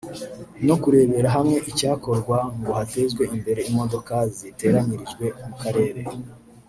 no kurebera hamwe icyakorwa ngo hatezwe imbere imodoka ziteranyirijwe mu karere